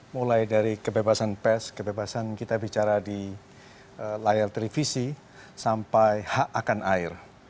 mulai dari kebebasan pes kebebasan kita bicara di layar televisi sampai hak akan air